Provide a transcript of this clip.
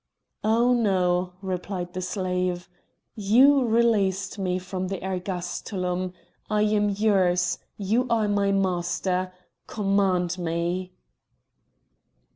"Oh no!" replied the slave. "You released me from the ergastulum. I am yours! you are my master! command me!"